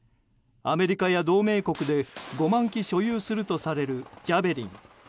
アメリカや同盟国で５万基所有するとされる「ジャベリン」。